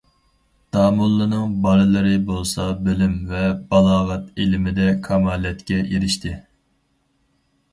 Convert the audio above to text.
داموللىنىڭ بالىلىرى بولسا بىلىم ۋە بالاغەت ئىلمىدە كامالەتكە ئېرىشتى.